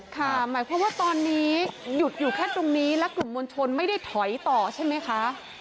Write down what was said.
ค่ะหมายความว่าตอนนี้หยุดอยู่แค่ตรงนี้และกลุ่มมวลชนไม่ได้ถอยต่อใช่ไหมคะ